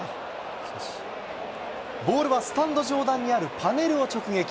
ボールはスタンド上段にあるパネルを直撃。